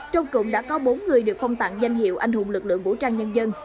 trong cụm đã có bốn người được phong tặng danh hiệu anh hùng lực lượng vũ trang nhân dân